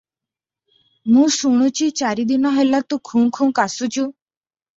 ମୁଁ ଶୁଣୁଛି, ଚାରିଦିନ ହେଲା ତୁ ଖୁଁ ଖୁଁ କାଶୁଛୁ ।